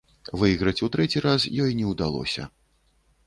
Выйграць у трэці раз ёй не ўдалося.